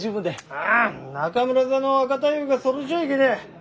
いや中村座の若太夫がそれじゃいけねえ。